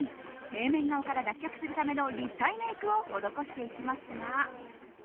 平面顔から脱却するための立体メイクを施していきますが。